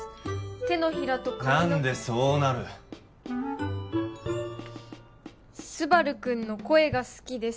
手のひらと何でそうなるスバル君の声が好きです